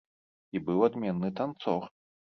І быў адменны танцор.